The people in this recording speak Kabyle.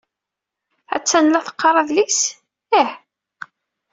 Attan la teqqar adlis? Ih.